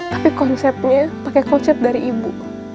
tapi konsepnya pakai konsep dari ibu